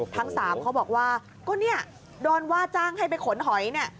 ทั้ง๓เขาบอกว่าก็เนี่ยโดนว่าจ้างให้ไปขนหอยเนี่ย